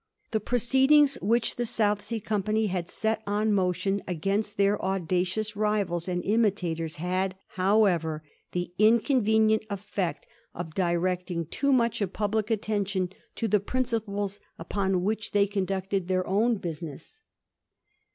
The proceedings which the South Sea Company had set on foot against their audacious rivals and imitators had, however, the inconvenient effect of directing too much of public attention to the principles upon which they conducted their own business.